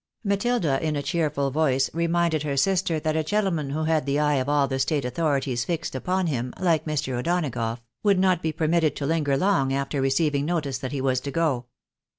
Matilda, in a cheerful voice, reminded her sister that a gentleman who had the eye of all the state authorities fixed upon him, like Mr. O'Donagough, would not be permitted to linger long after receiving notice that he was to go.